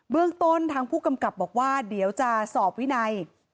เรื่องต้นทางผู้กำกับบอกว่าเดี๋ยวจะสอบวินัย